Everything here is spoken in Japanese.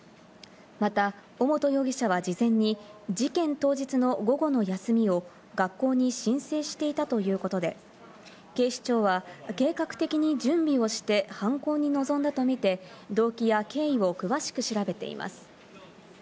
また尾本容疑者は事前に事件当日の午後の休みを学校に申請していたということで警視庁は計画的に準備をして犯行にのぞんだとみて動機や経緯を詳しく調べています。